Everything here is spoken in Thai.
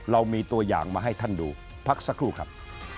เรามีตัวอย่างมาให้ท่านดูพักสักครู่ครับ